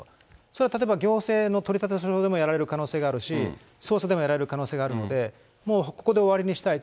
それは例えば、行政の取り立ての手法でやられる可能性があるし、捜査でもやられる可能性があるので、もうここで終わりにしたい。